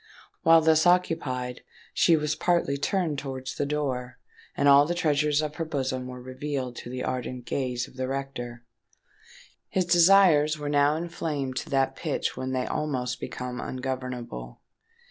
While thus occupied, she was partly turned towards the door; and all the treasures of her bosom were revealed to the ardent gaze of the rector. His desires were now inflamed to that pitch when they almost become ungovernable.